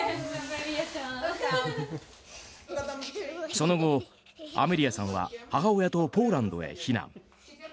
その後、アメリアさんは母親とポーランドへ避難。